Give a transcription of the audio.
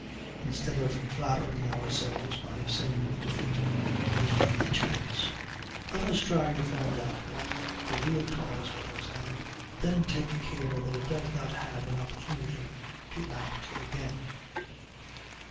Instead of flattering ourselves by saying the defeat was due to chance, let us try to find out what the real cause was, and then take care that it does not have an opportunity to act again.